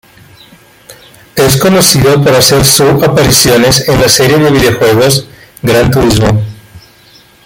Es conocido por hacer su apariciones en la serie de videojuegos "Gran Turismo".